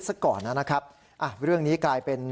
สักก่อนนะครับอ่ะเรื่องนี้กลายเป็น